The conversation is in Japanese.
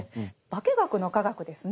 化け学の化学ですね。